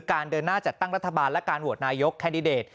เดินหน้าจัดตั้งรัฐบาลและการโหวตนายกแคนดิเดต